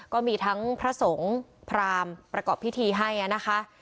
ก็มีทั้งพระสงฆ์พรามประกอบพิธีให้นะคะ